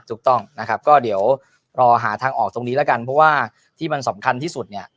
ถูกต้องนะครับก็เดี๋ยวรอหาทางออกตรงนี้แล้วกันเพราะว่าที่มันสำคัญที่สุดเนี่ย